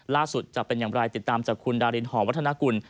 จะเป็นอย่างไรติดตามจากคุณดารินหอวัฒนากุล